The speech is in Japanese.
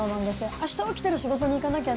あした起きたら仕事に行かなきゃ。